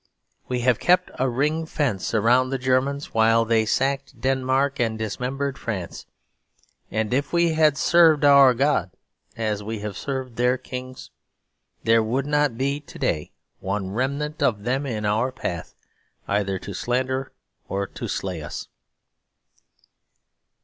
We have kept a ring fence around the Germans while they sacked Denmark and dismembered France. And if we had served our God as we have served their kings, there would not be to day one remnant of them in our path, either to slander or to slay us.